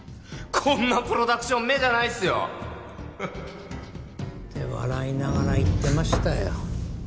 こんなプロダクション目じゃないっすよ。って笑いながら言ってましたよ。